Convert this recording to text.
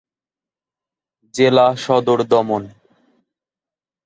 জেলা সদর দমন।